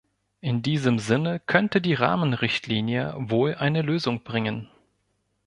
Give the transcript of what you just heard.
In diesem Sinne könnte die Rahmenrichtlinie wohl eine Lösung bringen.